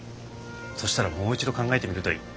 そしたらもう一度考えてみるといい。